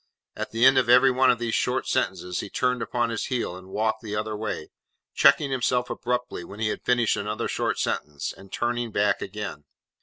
At the end of every one of these short sentences he turned upon his heel, and walked the other way; checking himself abruptly when he had finished another short sentence, and turning back again.